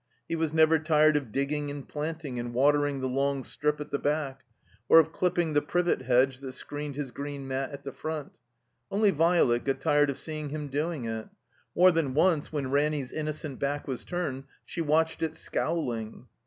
He was never tired of digging and planting and watering the long strip at the back, or of clipping the privet hedge that screened his green mat at the front. Only Violet got tired of seeing him doing it. More than once, when Ranny's innocent back was turned she watched it, scowling.